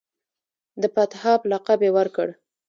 د پتهان لقب یې ورکړ.